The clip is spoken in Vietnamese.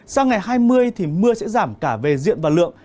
sang ngày hai mươi thì mưa sẽ giảm cả về diện và lượng